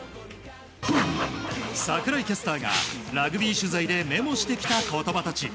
櫻井キャスターがラグビー取材でメモしてきた言葉たち。